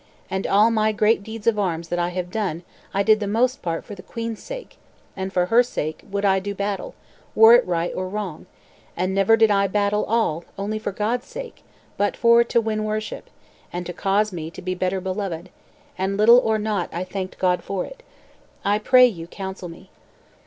"And all my great deeds of arms that I have done I did the most part for the queen's sake, and for her sake would I do battle, were it right or wrong, and never did I battle all only for God's sake, but for to win worship, and to cause me to be better beloved; and little or naught I thanked God for it. I pray you counsel me."